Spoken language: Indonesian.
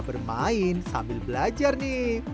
bermain sambil belajar nih